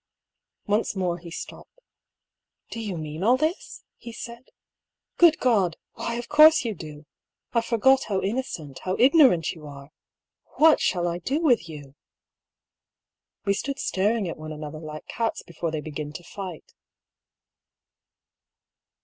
Once more he stopped. "Do you mean all this?" he said. "Good God! Why, of course you do ! I forgot how innocent, how ignorant you are ! What shall I do with you ?" We stood staring at one another like cats before they begin to fight.